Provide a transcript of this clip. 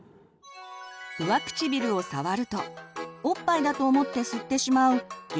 上唇を触るとおっぱいだと思って吸ってしまう原始反射。